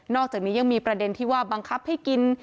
อกจากนี้ยังมีประเด็นที่ว่าบังคับให้กิน